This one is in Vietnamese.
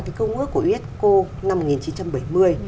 cái công ước của unesco năm một nghìn chín trăm bảy mươi